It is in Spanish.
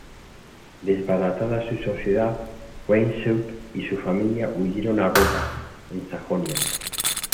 Desbaratada su sociedad, Weishaupt y su familia huyeron a Gotha, en Sajonia.